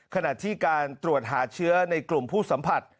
ขณะที่การตรวจหาเชื้อในกลุ่มผู้สัมผัส